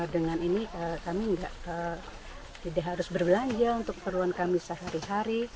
dengan ini kami tidak harus berbelanja untuk keperluan kami sehari hari